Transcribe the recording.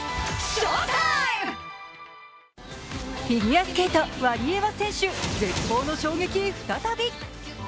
フィギュアスケート・ワリエワ選手、絶望の衝撃再び。